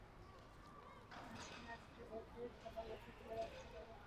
আজরাতটা ওকে তালাবন্ধ করে রাখতে হবে।